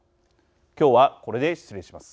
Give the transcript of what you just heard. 今日はこれで失礼します。